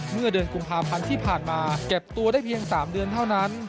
เมื่อเดือนกุมภาพันธ์ที่ผ่านมาเก็บตัวได้เพียง๓เดือนเท่านั้น